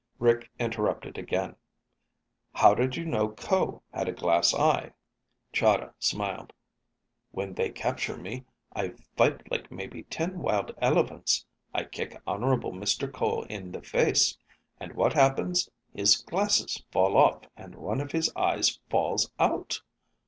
Rick interrupted again. "How did you know Ko had a glass eye?" Chahda smiled. "When they capture me, I fight like maybe ten wild elephants. I kick honorable Mr. Ko in the face. And what happens? His glasses fall off and one of his eyes falls out!